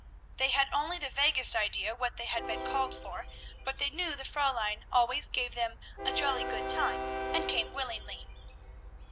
They had only the vaguest idea what they had been called for, but they knew the Fräulein always gave them "a jolly good time," and came willingly.